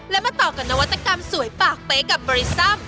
และมาต่อกับนวัตกรรมสวยปากเป๊ะกับบริซัม